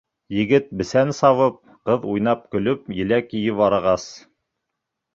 Егет бесән сабып, ҡыҙ уйнап-көлөп, еләк йыйып арығас